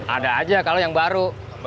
ada aja kalau yang baru